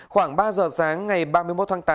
khoảng ba giờ sáng ngày ba mươi một tháng